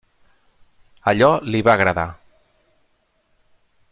Allò li va agradar.